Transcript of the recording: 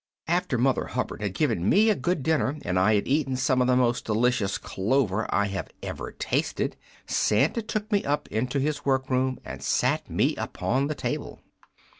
"After Mother Hubbard had given me a good dinner, and I had eaten some of the most delicious clover I have ever tasted, Santa took me up into his work room and sat me upon the table.